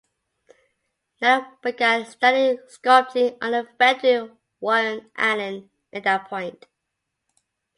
Nanna began studying sculpting under Frederick Warren Allen at that point.